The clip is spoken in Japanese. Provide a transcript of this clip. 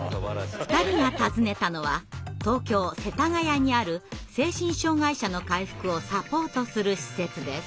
２人が訪ねたのは東京・世田谷にある精神障害者の回復をサポートする施設です。